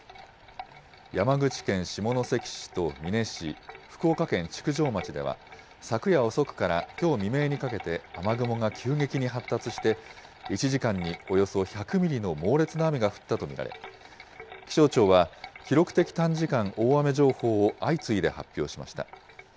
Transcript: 山口県下関市と美祢市、福岡県築上町では、昨夜遅くからきょう未明にかけて、雨雲が急激に発達して、１時間におよそ１００ミリの猛烈な雨が降ったと見られ、気象庁は記録的短時間大雨情報を相次いで発表しました。